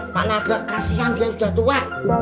pak nabrak kasihan dia sudah tua